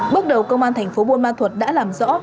bước đầu công an thành phố buôn ma thuật đã làm rõ